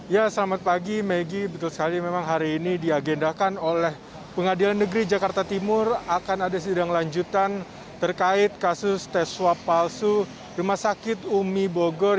ya selamat pagi maggie betul sekali memang hari ini diagendakan oleh pengadilan negeri jakarta timur akan ada sidang lanjutan terkait kasus tes swab palsu rumah sakit umi bogor